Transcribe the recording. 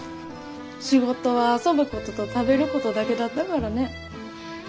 仕事は遊ぶことと食べることだけだったからねぇ。